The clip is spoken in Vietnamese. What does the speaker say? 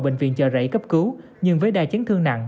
bệnh viện chợ rẫy cấp cứu nhưng với đa chấn thương nặng